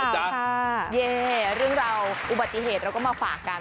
เย่เรื่องราวอุบัติเหตุเราก็มาฝากกัน